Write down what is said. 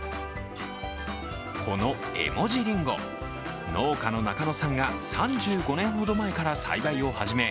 この絵文字リンゴ、農家の中野さんが３５年ほど前から栽培を始め